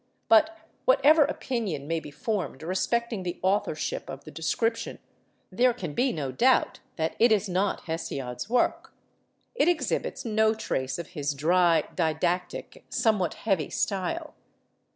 But whatever opinion may be formed respecting the authorship of the description, there can be no doubt that it is not Hesiod's work. It exhibits no trace of his dry, didactic, somewhat heavy style.